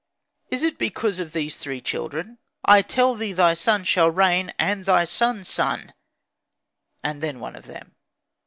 Is it because of these three children? I tell thee thy son shall reign, and thy son's son, and then one of them."